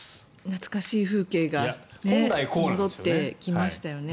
懐かしい風景が戻ってきましたよね。